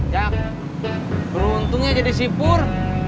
jak beruntungnya jadi sipur